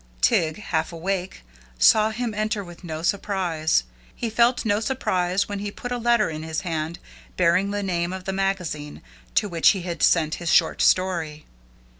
Tig, half awake, saw him enter with no surprise. He felt no surprise when he put a letter in his hand bearing the name of the magazine to which he had sent his short story.